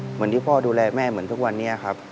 เหมือนที่พ่อดูแลแม่เหมือนทุกวันนี้ครับ